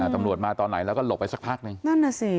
ตำรวจมาตอนไหนแล้วก็หลบไปสักพักหนึ่งนั่นน่ะสิ